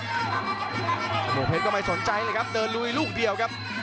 โอ้โหเพชรก็ไม่สนใจเลยครับเดินลุยลูกเดียวครับ